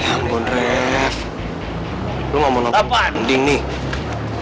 ya ampun ref lo mau nonton pending nih